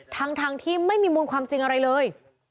ทั้งที่ไม่มีมูลความจริงอะไรเลย